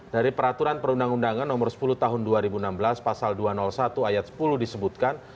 dari peraturan perundang undangan nomor sepuluh tahun dua ribu enam belas pasal dua ratus satu ayat sepuluh disebutkan